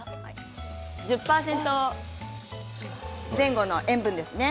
１０％前後の塩分ですね